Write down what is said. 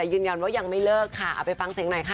ยืนยันว่ายังไม่เลิกค่ะเอาไปฟังเสียงหน่อยค่ะ